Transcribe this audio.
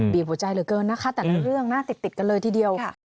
หัวใจเหลือเกินนะคะแต่ละเรื่องน่าติดกันเลยทีเดียว